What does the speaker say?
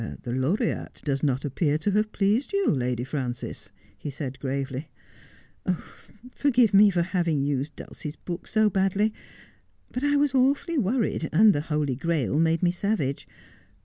' The Laureate does not appear to have pleased you, Lady Frances,' he said gravely. ' Forgive me for having used Dulcie's book so badly. But I was awfully worried, and the Holy Grail made me savage.